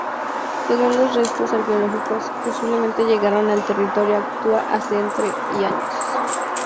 Según los restos arqueológicos, posiblemente llegaron al territorio actual hace entre y años.